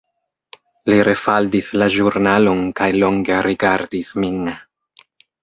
Li refaldis la ĵurnalon kaj longe rigardis min.